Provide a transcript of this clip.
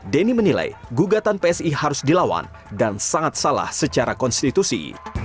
denny menilai gugatan psi harus dilawan dan sangat salah secara konstitusi